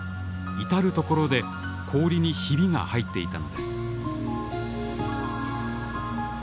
至る所で氷にひびが入っていたのです。